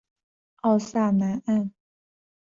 奥萨南岸。